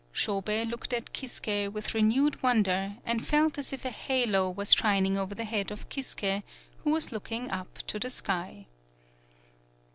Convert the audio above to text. Shobei looked at Kisuke with re newed wonder and felt as if a halo was shining over the head of Kisuke, who was looking up to the sky.